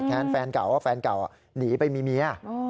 แค้นฟาญเขาคือฟาญเก่านี่หนีไปมีเมีย